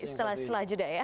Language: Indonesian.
setelah juda ya